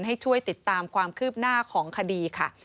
ให้ช่วยติดตามความคืบหน้าของคดีค่ะ